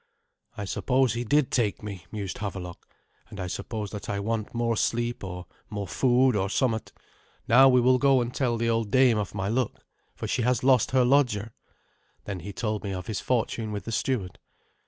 "I suppose he did take me," mused Havelok; "and I suppose that I want more sleep or more food or somewhat. Now we will go and tell the old dame of my luck, for she has lost her lodger." Then he told me of his fortune with the steward.